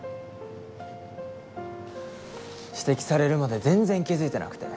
指摘されるまで全然気付いてなくて。